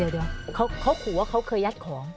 เดี๋ยวเขาขู่ว่าเขาเคยยัดของ